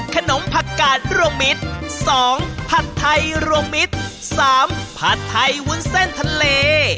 ผักกาดรวมมิตร๒ผัดไทยรวมมิตร๓ผัดไทยวุ้นเส้นทะเล